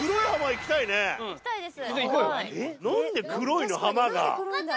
行きたいです。